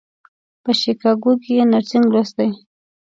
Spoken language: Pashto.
په شیکاګو کې یې نرسنګ لوستی.